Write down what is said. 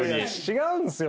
違うんすよ。